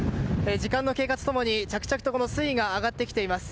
時間の経過とともに着々と水位が上がってきています。